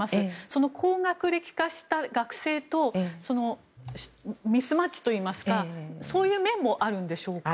その高学歴化した学生とミスマッチといいますかそういう面もあるんでしょうか。